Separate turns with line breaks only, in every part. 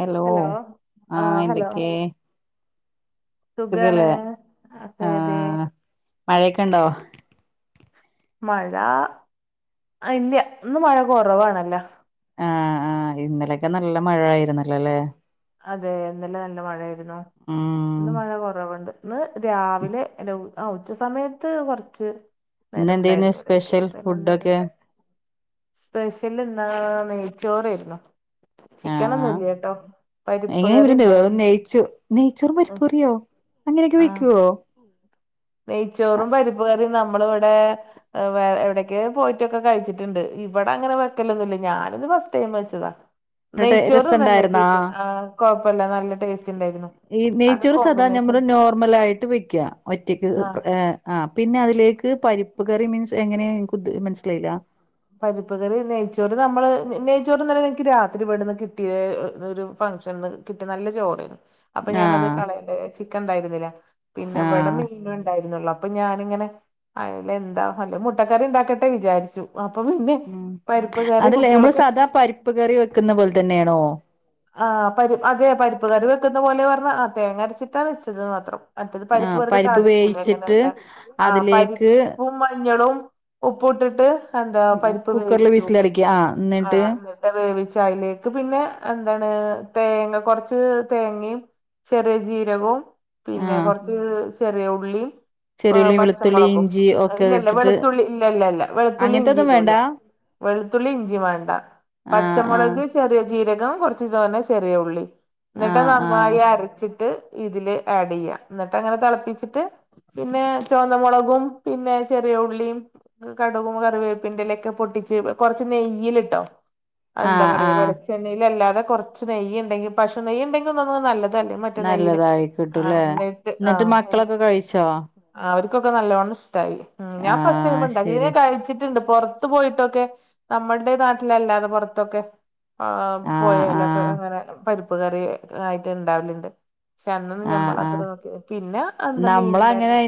Hello
ആഹ് hello
ആഹ്എന്തൊക്കെ
സുഖാണ്
സുഖല്ലേ ആ
അതെ അതെ
മഴയൊക്കെ ഉണ്ടോ
മഴ ഇല്ല ഇന്ന് മഴ കുറവാണല്ലോ.
ആഹ്ആഹ് ഇന്നലെയൊക്കെ നല്ല മഴ ആയിരുന്നല്ലോല്ലേ.
അതെ ഇന്നലെ നല്ല മഴായിരുന്നു
ഉം
ഇന്ന് മഴ കുറവുണ്ട് ഇന്ന് രാവിലെ എ ആ ഉച്ച സമയത്ത് കുറച്ച് നേരം
ഇന്നന്തെനു
ഉണ്ടായിരുന്നു
സ്പെഷ്യൽ ഫുഡൊക്കെ
സ്പെഷ്യല് എന്താ നെയ്ച്ചോറയിരുന്നു ചിക്കനൊന്നുല്ലട്ടോ.
എങ്ങനെയ വരണ്ട് വേറ നെയ്ച്ച നെയ്ച്ചോറ പരിപ്പൂറിയോ അങ്ങനെയൊക്കെ വെക്കോ?
ആഹ് നെയ്ച്ചോറും പരിപ്പ് കറിയും നമ്മള വിടെ. വേ എടക്ക പോയിട്ടൊക്കെ കഴിച്ചിട്ടുണ്ട് ഇവിടെ അങ്ങനെ വെക്കലൊന്നുമില്ല ഞാനിന്ന് ഫസ്റ്റ് ടൈം വെച്ചതാ.
എന്നിട്ട്
നെയ്ച്ചോറ് നല്ല
രസണ്ടായിരുന്നാ
കിട്ട് ആ കൊഴപ്പില്ല നല്ല ടേസ്റ്റ് ഉണ്ടായിരുന്നു
ഈ
അത്
നെയ്ച്ചറ് സാദാ
കോമ്പിനേഷൻ
നമ്മള് നോർമൽ ആയിട്ട് വെക്കുക ഒറ്റയ്ക്ക്
ആ
ആ പിന്നെ അതിലേക്ക് പരിപ്പ് കറി മീൻസ് എങ്ങനെ മനസ്സിലായില്ല.
പരിപ്പ കറി നെയ്ച്ചോറ് നമ്മള് നെയ്ച്ചോറ് ഇന്നെലെ എനിക്ക് രാത്രി വീടന്ന് കിട്ടിയത് ഒരു ഫംഗഷൻന്ന് കിട്ട് നല്ല ചോറ്
[inaudible]
അപ്പൊ ഞാനത് കളയണ്ട ചിക്കൻ ഉണ്ടായിരുന്നില്ല പിന്നെ ഇവിടെ
ആഹ്
മീനെ ഉണ്ടായിരുന്നുള്ളൂ. അപ്പൊ ഞാനിങ്ങനെ അൽ എന്താ അല്ലെ മുട്ടക്കറി ഉണ്ടാക്കട്ടെ വിചാരിച്ചു. അപ്പം പിന്നെ
ഉം
പരിപ്പക്കറി കുട്ടികൾക്ക് ഇഷ്‌ട
രിപ്പ് കറി വെക്കുന്ന പോലെ തന്നെയാണോ.
ആ പരിപ്പ് അതെ പരിപ്പ് കറി വെക്കുന്ന പോലെ പറഞ്ഞ ആ തേങ്ങരച്ചിട്ടാണ് വെച്ചത് മാത്രം. മറ്റേത്
ആ
പരിപ്പ് കറി താളിക്കൂലേ
വേവിച്ചിട്ട്
അങ്ങനെയല്ല ആ
അതിലേക്ക്
പരിപ്പും മഞ്ഞളും ഉപ്പ് ഇട്ടിട്ട് എന്താ പരിപ്പ്
കുക്കറിൽ
വേവിച്ച് നോക്കി
വിസിലടിക്കുക ആ
ആ
എന്നിട്ട്
വേവിച്ചതിലേക്ക് പിന്നെ എന്താണ് തേങ്ങ കൊറച്ച് തേങ്ങയും ചെറിയ ജീരകവും
ആ
പിന്നെ കൊറച്ച് ചെറിയ ഉള്ളി
ചെറിയുള്ളി വെളുത്തുള്ളി
പച്ചമുളകും
ഇഞ്ചി ഒക്കെ
ഇല്ല ഇല്ല
ഇട്ടിട്ട്
വെളുത്തുള്ളി ഇല്ല ഇല്ല ഇല്ല വെളുത്തുള്ളി ഇഞ്ചി
അങ്ങനത്തെൊന്നും വേണ്ട
ഇടൂല്ല വെളുത്തുള്ളി ഇഞ്ചി വേണ്ട
ആ ആ
പച്ചമുളക് ചെറിയ ജീരകം കുറച്ചു തോനെ ചെറിയ ഉള്ളി
ആ
എന്നിട്ട് നന്നായി
ആ
അരച്ചിട്ട് ഇതില് ആഡ് ചെയ്യാം എന്നിട്ട് അങ്ങനെ തിളപ്പിച്ചിട്ട് പിന്നെ ചുവന്ന മുളകും പിന്നെ ചെറിയ ഉള്ളിയും കടുകും കറിവേപ്പിന്റെലൊക്കെ പൊട്ടിച്ച് കൊറച്ച് നെയ്യൽട്ടോ
ആ
എന്താ
ആ
പറയാ വെളിച്ചെണ്ണയി അല്ലാതെ കുറച്ച് നെയ്യ് ഉണ്ടെങ്കിൽ പശു നെയ്യ് ഉണ്ടെങ്കിൽ ഒന്ന നല്ലത് ല്ലേ മറ്റ നെയില്
നല്ലതായി
ആ
കിട്ടൂല്ലേ
എന്നിട്ട് ആഹ
മക്കളൊക്കെ കഴിച്ചോ
ആ അവർക്കൊക്കെ നല്ലോണ്ണം ഇഷ്ട
ആ
ഞാൻ ഫസ്റ്റ് ടൈം ഉണ്ടാക്കി ഇതരെ
ശരി
കഴിച്ചിട്ട് പുറത്ത് പോയിട്ടൊക്കെ നമ്മളുടെ നാട്ടിലല്ലാതെ പുറത്തൊക്കെ ആ
ആ ആ
പോയലൊക്കെ അങ്ങനെ പരിപ്പ് കറി ആയിട്ട് ഇണ്ടാവലുണ്ട് പക്ഷെ അന്നന്ന്
ആ ആ
ഞമ്മളത്ര നോക്കിയ പിന്നെ എന്താ മീൻ ഇണ്ടായിന്നു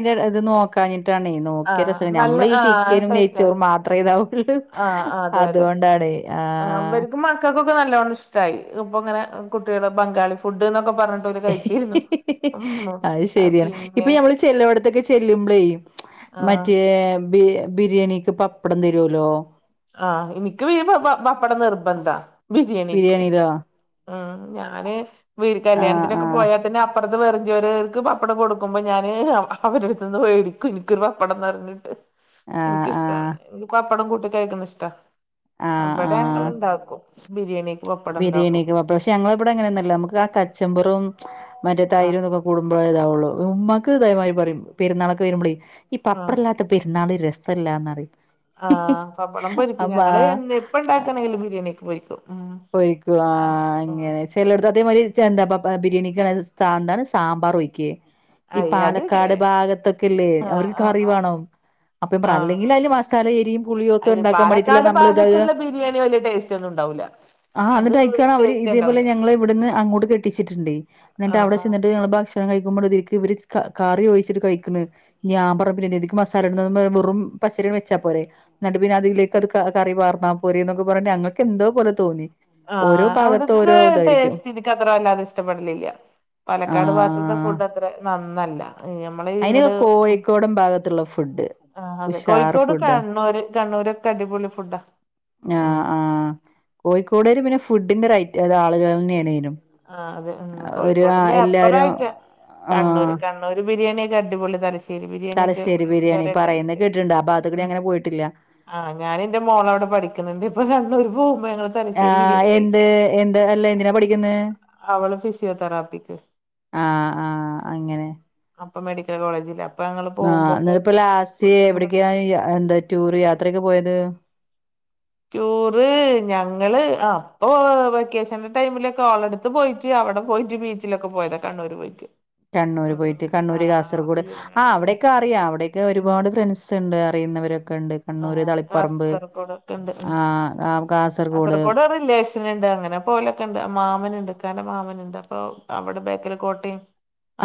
ട്ടാണേ നോക്കിയ രസ നമ്മളീഈ ചിക്കനും
ടേസ്റ്റാണ്
നെയ്ച്ചോറും മാത്രമേ ഇതാവുള്ളൂ അതുകൊണ്ടാണ്
ഇവർക്കും മക്കൾക്കൊക്കെ നല്ലോണം ഇഷ്ടമായി ഇപ്പൊ ഇങ്ങനെ കുട്ടികള് ബംഗാളി ഫുഡ് എന്നൊക്കെ പറഞ്ഞിട്ട് കയിച്ചിരുന്നു ഉ
അത് ശരിയാണ് ഇപ്പൊ നഞമ്മള് ചെല്ലവിടത്തൊക്കെ ചെല്ലുമ്പളേ
ആഹ്
മറ്റേ ബിരിയാണിക്ക് പപ്പടം തരുവല്ലോ
ആഹ് എനിക്ക് വ പപ്പട നിർബന്ധാ ബിരിയാണിക്ക്
ബിരിയാണിയിലോ
ഉ ഞാന്
ആഹ്
കല്യാണത്തിനൊക്കെ
ആഹ്
പോയാൽ തന്നെ അപ്പറത്ത് വെറും ചോറാരാർക്കു പപ്പടം കൊടുക്കുമ്പോ ഞാൻ അവരു അടുത്ത് നിന്ന് മേടിക്കും എനിക്കൊരു പപ്പടം എന്ന് പറ ട്ട്
ആഹ്
എനിക്കിഷ്ടാ
ആഹ്
എനിക്ക് പപ്പടം കൂട്ടി കഴിക്കണ ഇഷ്ടാ
ആഹ്
ഇവിടെ ഞങ്ങള് ഇണ്ടാക്കും ബിരിയാണക്ക് പ
ബിരിയാണി ഒക്കെ പക്ഷെ ഞങ്ങളെ ഇവിടെ അങ്ങനെയൊന്നുമല്ല നമുക്ക് കച്ചമ്പറും മറ്റേ
ആഹ്
തൈരുംക്കെ കൂടുമ്പോേ ഇതാവുള്ളൂ ഉമ്മാക്ക് ഇതേ മാതിരി പറയും പെരുന്നാളൊക്കെ വരുമ്പോഴേ ഈ
ആഹ്
പപ്പട ഇ പെരുന്നാൾ രസംല്ലാന്ന്റിയ
ആഹ് പപ്പടം പൊരിക്കും ഞങ്ങള് എപ്പ ഉണ്ടാക്കണെങ്കിൽ ബിരിയാണിക്ക് പൊരിക്കും ഉം
പൊരിക്കും ആ
ആഹ് ഉം
അങ്ങനെ ചെല്ലെടുത്താത്ത മതിരി എന്താപ്പ ബിരിയാണിക്ക് എന്താണ് സാമ്പാർ ഒഴിക്കേ ഈ
അയ് അത്
പാലക്കാട്
ഇങ്ങനെ
ഭാഗത്തൊക്കെല്ലേ
ആഹ്
അവർക്ക്
ആഹ്
കറി
ആഹ്
വേണം അപ്പം
ആഹ്
അല്ലെങ്കിൽ അതില് മസാല എരിയും പുളിയും ഒക്കെ
അയിന്
ഉണ്ടാക്കാൻ വേണ്ടയിട്ടുള്ള
പാലക്കാട്
നമ്മള ഇത
ഭാഗത്തുള്ള ബിരിയാണി വലിയ ടേസ്റ്റ് ഒന്നും ഉണ്ടാവൂല്ല
ആഹ് എന്നിട്ട് അയിക്കയണ് അവര് ഇതേപോലെ ഞങ്ങള് ഇവിടുന്ന് അങ്ങോട്ട് കെട്ടിച്ചിട്ടിണ്ട് എന്നിട്ട്
ആഹ്
അവിടെ
ആഹ്
ചെന്നിട്ട് ഞങ്ങള് ഭക്ഷ ഭക്ഷണം കഴിക്കുമ്പളും ഇത് ഇരിക്കും ഇവര് കറി ഒഴിച്ചിട്ട് കഴിക്കണ് ഞാൻ പറയുമ്പം രതിക്ക് മസാല ഉടുന്നതും വെറും പച്ചരി വെച്ചാ പോരെ നടുവിന് അയിലേക്ക് അത് കറി വാർന്നാ പോര എന്നൊക്കെ പറഞ്ഞ ഞങ്ങൾക്ക് എന്തോപോലെ തോന്നി ഓരോ
ആഹ്
ഭാഗത്ത്
അവിടെത്തെ
ഓരോ ഇതായിരിക്കും
ടേസ്റ്റ് എനിക്ക് അത്ര വല്ലാതെ ഇഷ്ടപ്പെടലില്ല പാലക്കാട്
ആഹ്
ഭാഗത്തു
ആഹ്
ഫുഡ് അത്ര നന്നല്ല ഞമ്മള്
അയിന്
ഇങ്ങട്
കോഴിക്കോട് ഭാഗത്തുള്ള ഫുഡ്
ആഹ് അതെ
ഉഷാർ
കോഴിക്കോട്,
ഫുഡ്
കണ്ണൂര് കണ്ണൂരൊക്കെ അടിപൊളി ഫുഡാ ഉം
ആഹ് ആഹ് കോഴിക്കോട് കാര് പിന്നെ ഫുഡിന്റെ റൈറ്റ് അ ആളുകള് തന്നെയാണ് നേനും
ആഹ് അതെ ഉം കോഴിക്കോട്ടില് അപ്പർ അയിറ്റം
ആഹ്
കണ്ണൂർ കണ്ണ് അവര് ബിരിണിയെക്കെ അടിപൊളി തലശ്ശേ
തലശ്ശേരി ബിരിയാണി പറയുന്ന കേട്ടിട്ടുണ്ട് അ ഭാഗത്തേക്ക്
ഉം
അങ്ങനെ പോയിട്ടില്ല
ആഹ് ഞാനെന്റെ മോളെ അവിടെ പഠിക്കുന്നുണ്ട് ഇപ്പൊ കണ്ണൂർ പോകുമ്പോ ഞങ്ങള് തലശ്ശേരി ബിരിയാണി കഴിക്കും
ഇതല്ലേ എന്തിനാ പഠിക്കുന്നെ
അവള് ഫിസിയോതെറാപ്പിക്ക്
ആഹ് ആഹ് അങ്ങനെ
അപ്പൊ മെഡിക്കൽ കോളേജിലാ
ആഹ് ഇപ്പോ ലാസ്റ്റ്
കഴിക്കും
എവിടെക്കായാ എന്താ ടൂർ യാത്രക്കെ പോയത്?
ടൂറ് ഞങ്ങള് അപ്പൊ വെക്കേഷന്റെ ടൈമിലൊക്കെ ഓളടു ത്ത് പോയിട്ട് അവിടെ പോയിട്ട് ബീച്ചിലൊക്കെ പോയത കണ്ണൂര് പോയിട്ട്.
കണ്ണൂർ
ആഹ്
പോയിട്ട് കണ്ണൂർ,
ആഹ്
കാസർഗോട്
അവൾക്ക്
ആ
ലീവിനുണ്ട്
അവിടെക്കെ അറിയാം അവിടെയൊക്കെ
ഉണ്ട്
ഒരുപാട് ഫ്രണ്ട്സ് ണ്ട് അറിയുന്നവരൊക്കെണ്ട്. കണ്ണൂര്,
ആഹ്
തളിപ്പറമ്പ്
കാസർഗോഡൊക്കെ ഉണ്ട് ഉം
ആഹ് കാസർഗോഡ്
നുണ്ട് അങ്ങനെ പോലെക്കണ്ട് മാമന് ക്കാന്റെ മാമനുണ്ട് അപ്പൊ അവിടെ ബേക്കറി കോട്ടയും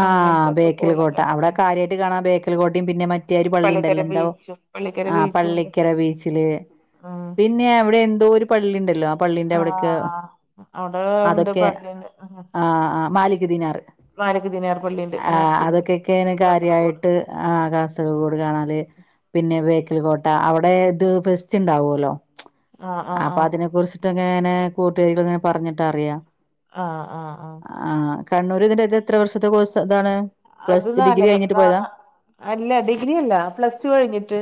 ആഹ്
അങ്ങനത്തൊക്കെ
ബേക്കൽ കോട്ട
പോലൊക്കെ ഉണ്ട്
അവിടെ
ഉം
കാര്യയിട്ട് കാണാൻ ബേക്കൽ കോട്ടയും പിന്നെ മറ്റ് ഒരു പള്ളി
പള്ളിക്കര
ഉണ്ടല്ലോ എന്താ
ബീച്ചും പള്ളിക്കര
ആ
ബീച്ചും ഉണ്ട്
പള്ളിക്കല ബീച്ചില് പി
ഉം
പിന്നെ അവിടെ എന്തോ ഒരു പള്ളി ഇണ്ടല്ലോ? പള്ളിന്റെ അവിടെക്ക്
ആഹ് അവിടെ ഉണ്ട്
അതൊക്കെ
പള്ളിണ്ട്
ആ ആ മാലിക് ദിനാർ
മാലിക്ക ദിന
ആ അതൊക്കെക്കെന്
കാസർഗോഡ്
കാര്യയിട്ട് ആ കാസർഗോട് കാണല് പിന്നെ ബേക്കൽ കോട്ട അവിടെ ഇത് ഫെസ്റ്റ് ഉണ്ടാവുല്ലോ.
ആഹ് ആഹ്
അപ്പൊ
ആഹ്
അതിനെ കുറിച്ചിട്ടങ്ങനെ കൂട്ടുകാരികൾ ഇങ്ങനെ പറഞ്ഞിട്ട് അറിയാം
ആഹ് ആഹ് ആഹ്
ആഹ് കണ്ണൂര് ഇതിന്റെ ഇത് എത്ര വർഷത്തെ കോഴ്സ് ആണ്?
അത് നാലര നാ അല്ല ഡിഗ്രി അല്ല പ്ലസ് ടു കഴിഞ്ഞിട്ട്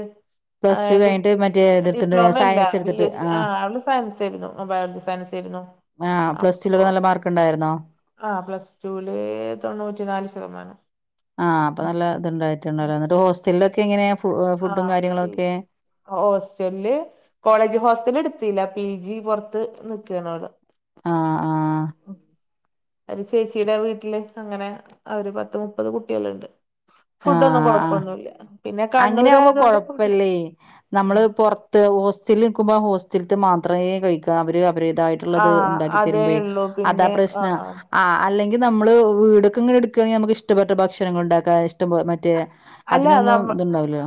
പ്ലസ് ടു കഴിഞ്ഞിട്ട് മറ്റേ
ആ
ഇതെടുത്തിട്ട്
ഡിപ്ലോമ അല്ല
സയൻസ്
ബി
എടുത്തിട്ട്
എസ് സി ആ
ആഹ്
അവള് സയൻസ് ആയിരുന്നു ബയോളജി സയൻസ് ആയിരുന്നു.
ആഹ് പ്ലസ് ടുവിൽ നല്ല മാർക്ക് ഉണ്ടായിരുന്നോ?
ആഹ് പ്ലസ് ടുല് തൊണ്ണൂറ്റി നാല് ശതമാനം.
ആഹ് അപ്പ
ഉം
നല്ല
ഉം
ഇതുണ്ടായിട്ടുണ്ടല്ലോ എന്നിട്ട് ഹോസ്റ്റലിലൊക്കെ എങ്ങനെയാ
ആ
ഫുഡും
അവിടെ
കാര്യങ്ങളും
പി
ഒക്കെ?
ജി ഹോസ്റ്റലില് കോളേജ് ഹോസ്റ്റലടുത്തില്ല പി ജി പുറത്ത് നിക്കെയാള് അവിടെ
ആഹ് ആഹ്
ഒരു ചേച്ചിയുടെ വീട്ടില് അങ്ങനെ അവര് പത്ത് മുപ്പത് കുട്ടികളുണ്ട്. ഫുഡോന്നും കൊഴപ്പൊന്നുയില്ല.
അങ്ങനെയവുമ്പോ കൊഴപ്പയില്ലേ
ആ
നമ്മള് പെർ ത്ത് ഹോസ്റ്റലിൽ നിൽക്കുമ്പോ ഹോസ്റ്റലത്ത് മാത്രമേ കഴിക്കാ അവര് അവരുേത്ത്
ആ
ളള്ളത് ഒണ്ടാക്കി
അതേ
തരുമ്പഴേ
ഉള്ളൂ
അതാ
പിന്നെ ആ
പ്രശ്നം ആഹ് അല്ലെ നമ്മള് വീടൊക്കെങ്ങനെ എടുക്കുകണെങ്കിൽ നമുക്ക് ഇഷ്ടപ്പെട്ട ഭക്ഷണങ്ങൾ ഉണ്ടാക്കാ ഇഷ്ട പോലെ മറ്റേ
അല്ല
അതിനൊന്നും
നമ്മ
ഇതു ഉണ്ടാവില്ല.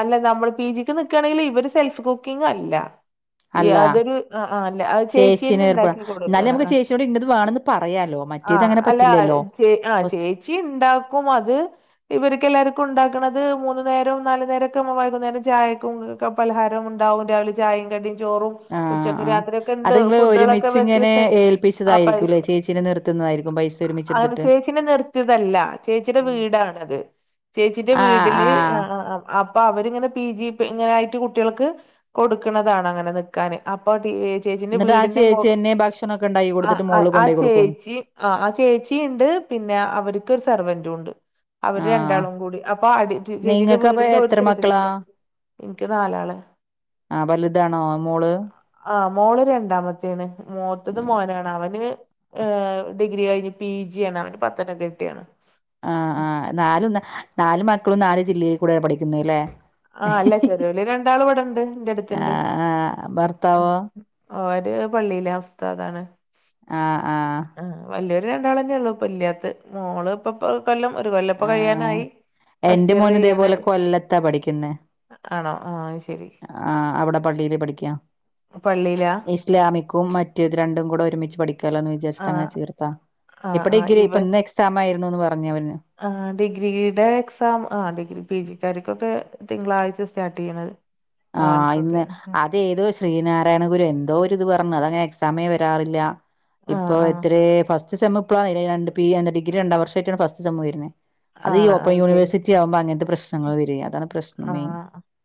അല്ല നമ്മള് പി ജിക്ക് നിക്കുകയാണെങ്കില് ഇവര് സെൽഫ് കുക്കിങ് അല്ല. ഈ
അല്ല
യതൊരു ആഹ് അല്ല അത് ചേച്ചിന്നെ
ചേച്ചീനെ ഏർപ്പ
ഉണ്ടാക്കി
എന്നാലും
കൊടുക്കാണ്
നമുക്ക്
ആഹ്
ചേച്ചിയോട് ഇന്നത് വേണന്ന് പറയാലോ മറ്റേത്
ആഹ്
അങ്ങനെ
അല്ല
പറ്റില്ലല്ലോ
ചേ ആഹ്
ഹോസ്
ചേച്ചി ഉണ്ടാക്കും അത് ഇവർക്കല്ലർക്ക ക്കുണ്ടാക്കണത് മൂന്നു നേരവും നാലു നേരം ഒക്കെ വൈകുന്നേരം ചായക്കും പലഹാരവും ഉണ്ടാവും രാവിലെ ചായയും കടിയും ചോറും
ആ
ഉച്ചക്ക്
ആ
രാത്രിക്കെ
അത്
ഇണ്ട്
നിങ്ങള്
ഫുഡുകളൊക്കെ
ഒരുമിച്ച് ഇങ്ങനെ
വ്യത്യസ്മായിട്ട് ആഹ് പൈസ
തിന്നയിരിക്കും പൈ
അങ്ങനെ ചേച്ചീനെ നിർത്തിയതല്ല ചേച്ചിയുടെ വീടാണത്. ചേച്ചിന്റെ
ആ
വീട്ടില്
ആ
ആഹ് അപ്പൊ അവരിങ്ങനെ പി ജി ഇങ്ങനായിട്ട് കുട്ടികൾക്ക് കൊടുക്കുണതാണ് അങ്ങനെ നിക്കാന് അപ്പൊ ചേച്ചിന്റെ
എന്നിട്ട് ആ
വീടിന്റെ മു
ചേച്ചി തന്നെ ഭക്ഷണൊക്കെ ഉണ്ടാക്കി കൊടുത്തിട്ട്
ആഹ്
മോളില്
ആഹ്
കൊണ്ടോയി കൊടുക്കും
ചേച്ചി ആഹ് ആഹ് ചേച്ചി ഉണ്ട് പിന്നെ അവർക്കു സർവന്റും ഉണ്ട് അവര്
ആഹ്
രണ്ടാളും കൂടി അപ്പൊ അടി ചേച്ചിന്റെ
നിങ്ങക്കപ്പൊ
വീടിന്റെ ഒരു
എത്ര മക്കളാ
സൈഡിലുണ്ട് എനിക്ക് നാലാള്
ആഹ് വലുതാണോ മോള്?
ആഹ് മോള് രണ്ടാമത്തെയാണ് മുത്തത് മോനാണ് അവന് എഹ് ഡിഗ്രി കഴിഞ്ഞ് പി ജി ആണ് അവന് പത്തനംതിട്ടിയാണ്
ആഹ് ആഹ് നാലു ന്നാ നാല് മക്കളും നാല് ജില്ലയി കൂടെ പഠിക്ക്ന്നെ ലെ?
ആഹ് അല്ല ചെറിയോല് രണ്ടാളു ഇവിടുണ്ട്.
ആഹ് ആഹ് ഭർത്താവോ?
ഓര് പള്ളിലെ ഉസ്താദ്താണ്.
ആഹ് ആഹ്
ആഹ് വല്യൊരു രണ്ടാളെന്നെ ഉള്ളു ഇപ്പ ഇല്ല്യാതെ മോള് ഇപ്പ കൊല്ലം ഒരു കൊല്ലം ഇപ്പോ
ആഹ്
കഴിയാനായി ഫസ്റ്റ്
എന്റെ
ഇയർ
മോന് ഇതേപോലെ
കഴിയാനായി
കൊല്ലത്താ പഠിക്കുന്ന.
ആണോ ആഹ് ശരി
ആഹ് അവ്ടെ പള്ളില് പഠിക്യാ.
പള്ളീലാ?
ഇസ്ലാമിക്കും മറ്റേത് രണ്ടും കൂടെ ഒരുമിച്ച് പഠിക്കാലാന്ന് ജസ്റ്റ്
ആഹ്
അങ്ങനെ ചെർത്താ
ആഹ്
ഇപ്പ
ആഹ്
ഡിഗ്രി ഇപ്പൊ
ഇവൻ
ഇന്ന് എക്സാം ആയിരുന്നുന്ന് പറഞ് അവന്
ആഹ് ഡിഗ്രിടെ എക്സാം ആഹ ഡിഗ്രി പി ജിക്കാർക്കൊക്കെ തിങ്കളാഴ്ച സ്റ്റാർട്ട് ചെയ്യണത്.
ആഹ് ഇന്ന്
മോൻക്കൊക്കെ
ആ അത് ഏതോര് ശ്രീനാരായണ ഗുരു എന്തോ ഒരു ഇത് പറ്ണ് അങ്ങനെ എക്സമിന് വെരാറില്ല
ആഹ്
ഇപ്പൊ
ആഹ്
എത്രെ ഫസ്റ്റ് സെം ഇപ്പളാവേരാ രണ്ട് ഡിഗ്രി രണ്ടാം വർഷയിട്ടാണ് ഫസ്റ്റ് സേം വെര്നെ ഹ്. അത് ഈ
ആണോ
ഓപ്പൺ
ശരി
യൂണിവേഴ്സിറ്റി ആവുമ്പോ അങ്ങൻത്തെ പ്രശ്നങ്ങള് വെരെ അതാണ് പ്രശ്നം മെയിൻ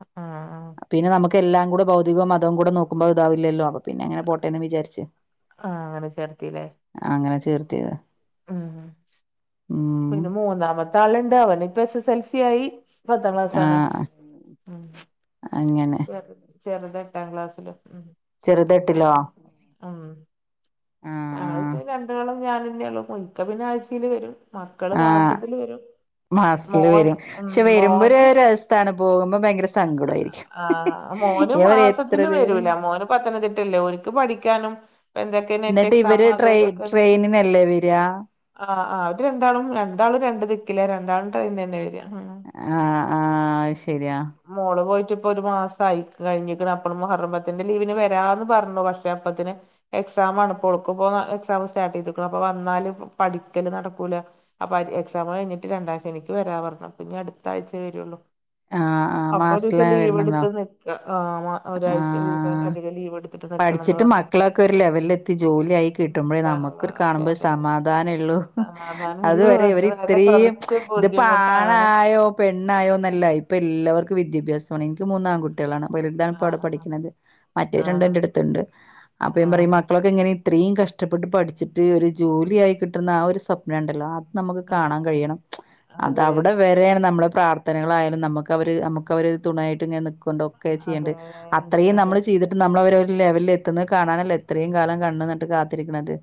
ആഹ് ആഹ്
പിന്നെ നമുക്ക് എല്ലാം കൂടെ ഭൗതികവും മതവും കൂടെ നോക്കുമ്പോ ഇതാവില്ലല്ലോ അപ്പൊ പിന്നെങ്ങനെ പോട്ടേന്ന് വിചാരിച്ച്.
ആഹ് അങ്ങനെ ചേർത്തില്ലേ.?
ആഹ് അങ്ങനെ ചേർത്തിത.
ഉം പിന്നെ മൂന്നാമത്തെ ആള്ണ്ട് അവന്പ്പ എസ് എസ് എൽ സി ആയി. പത്താ ക്ലാസാണ്.
ആഹ് അങ്ങനെ.
ചെറുത് എട്ടാ ക്ലാസ്സില് ഉം
ചെറുതെട്ടിലോ ആഹ്
ഉം ആഹ് രണ്ട് ആളും ഞാൻ തന്നെയ ഉള്ളൂ ഇക്ക പിന്നെ ആഴ്ചയില് വരും മക്കള് മാസത്തില് വരും
മാസതില്
മോൻ
വേരും
ഉം
വെരുമ്പോര്
മോന്
രസാണ് പോകുമ്പോ ഭയങ്കര സങ്കടയിരിക്കും.
ആഹ് മോന് മാസത്തിലു വെരൂല മോന് പത്തനംതിട്ടല്ലേ ഓര്ക്ക് പഠിക്കാനും എന്തൊക്കെ നെറ്റ്
എന്നിട്ട്
എക്സാം
ഇവര്
അത്
ട്രെയ്
ഇതൊക്കെ
ട്രെയിനിനല്ലേ വേരാ.
ആഹ് ആഹ് അത് രണ്ടാളും രണ്ടാളും രണ്ട് ദിക്കില്ല രണ്ടാളും ട്രെയിനെന്നെ വേരാ.
ആഹ് ആഹ് അഹ് ആയിശരി
മോള് പോയിറ്റ് ഇപ്പൊ ഒര് മാസായി കഴിഞ്ഞിക്ണ് അപ്പളും മുഹറം പത്തിന്റെ ലീവിന് വെരാന്ന് പറഞ്ഞു പക്ഷേ അപ്പത്തിന് എക്സാമാണ് ഇപോ ഒള്ക്ക്പ്പൊ എക്സാം സ്റ്റാർട്ട് ചെയ്തിക്കു അപ്പൊ വന്നാല് പഠിക്കല് നടക്കൂല. അപ്പൊ എക്സാമ് കഴിഞ്ഞിട്ട് രണ്ടാം ശനിക്ക് വരാ പറഞ്ഞ അപ്പൊ ഇനി അടുത്തഴ്ചേ വെരുള്ളു.
ആഹ് ആഹ്
അപ്പൊ ഒരു
മാസത്തില
രീസം ലീവ്
വരുന്നുണ്ടോ
എടുത്ത് ന്ക്കാ ആഹ് ഒരാഴ്ച ദിവസം
ആഹ്
അധികം ലീവ് എടുത്തിട്ട് ന
പഠിച്ചിട്ട് മക്കളൊക്കെ ഒരു ലെവലെത്തി ജോലിയായി കിട്ടുമ്പോഴേ
ഇൻഷാ അള്ളാ
നമുക്കരു
അതെ
കാണുമ്പോൾ
അതെ
സമാധാനെള്ളൂ.
സമാധാനള്ളൂ
അതുവരെ
അത്
ഇവര്
വരെ
ഇത്രേം
കൊറച്ച്
ഇത് പാളാ രാ
ബുദ്ധിമുട്ടാണ്
ആയോ പെണ്ണായോ നല്ല ഇപ്പൊ എല്ലാവർക്കും വിദ്യാഭ്യാസാണ് എനിക്ക് മൂന്നാംകു ട്ടിളാണ് അപ്പോ വല്ലതാണ്
ആ
അവിടെ പഠിക്കുന്നത് മറ്റേ
ആ
രണ്ട് എന്റെ എട്ത്ത്ണ്ട് അപ്പ
ആ
പറയും മക്കളൊക്കെ ഇങ്ങനെ ഇത്രീ കഷ്ടപ്പെട്ട് പഠിച്ചിട്ട് ഒരു ജോലിയായി കിട്ടുന്ന ആഹ് ഒരു സ്വപ്നംണ്ടല്ലോ ആ നമക്ക് കാണാ
ആ
കഴിയണം
അതെ
അതവ്ടെ തെയാണ് നമ്മളെ പ്രാർത്ഥനകളായാലും നമ്മക്ക് അവര് നമ്മക്ക് അവര് തുണായിട്ട് ഇങ്ങനെ നിക്കുണ്ടോ കൈ ചെയ്യണ്ട്
അതെ
അത്രയും
അതെ
നമ്മള് ചെയ്ത് ട്ട് നമ്മള അവര് ഒര് ലെവലിൽ എത്തുന്ന കാണാനല്ലോ ഇത്രയും കാലം കണ്ണ് നട്ട് കാത്തിരിക്കണത്.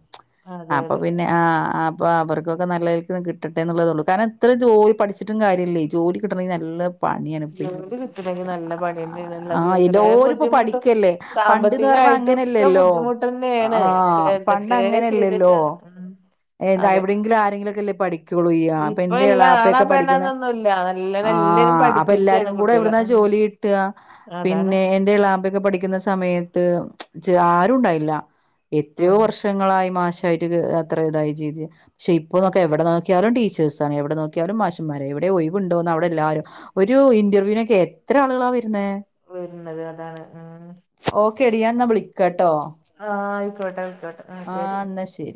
അതെ
അപ്പൊ
അതെ
പിന്നെ
ഉം
ആഹ് ആഹ് പ്പ അവർക്കൊക്കെ നല്ലക്ക് കിട്ടട്ടെന്നുള്ളത്ള്ളൂ കാരണംത്ര ജോലി പഠിച്ചിട്ടും കാര്യല്ലേ ജോലി കിട്ടണെങ്കി നല്ല പണിആണ്പ്പെ
ജോലി കിട്ടണെങ്കി നല്ല പണിയന്നെയാണല്ലോ അത്
ആഹ
എത്രേ
എല്ലോരുപ്പ
ബുദ്ധിമുട്ടും
പഠിക്കല്ലേ. പണ്ട്ന്ന് പറഞ്ഞാ
സാമ്പത്തികായിട്ടൊക്കെ
അങ്ങനല്ലല്ലോ
ബുദ്ധിമുട്ടന്നെയാണ്
ആഹ് പണ്ട്
എന്തൊക്കെ
അങ്ങനെല്ലല്ലോ
ചെയ്തിട്ടാ ഉം
ഏ എന്ത
അതെ
എവിടെങ്കിലും ആരെങ്കിലൊക്കെല്ലേ പഠി ക്യുള്ള്യ്യാ അപ്പൊ
ഇപ്പൊ
എന്റെ
എല്ലാ ആണാ
എളപ്പെക്കെ പഠിക്കുന്നെ
പെണ്ണാന്നൊന്നുല്ല നല്ലണം എല്ലാരും
ആഹ് അപ്പൊ
പഠിപ്പിക്കാണ്
എല്ലാർക്കും കൂടെ
കുട്ടികളെ
എവിടുന്ന
ഉം
ജോലി കി ട്ട്ഹാ
അതാണ്
പിന്നെ ഇളാമ്പെക്കെ പഠിക്കുന്ന സമയത്ത് ച്ച് ആരുണ്ടായില്ല എത്രയോ
ഉം
വർഷങ്ങളായി മാശായിട്ട്ക് [unintelligible] ക്ഷെ
അതെ
ഇപ്പോനൊക്കെവടെ നോ ക്ക്യറും ടീച്ചേർസ്സാണ് എവടെ നോക്കിയാലും മാഷമ്മാര എവിടെ ഒയിവുണ്ടോന്ന് അവടെ എല്ലാരും ഒരു ഇന്റർവ്യൂനൊക്കെ എത്ര ആളുകളാ വരുന്നേ
വര്ണത് അതാണ് ഉം
ഓക്കെ ടി ഞാൻ ന്നാ വിളിക്കാട്ടോ
ആഹ് ആയിക്കോട്ടെ ആയിക്കോട്ടെ ആഹ് ശരി
എന്നാ ശരി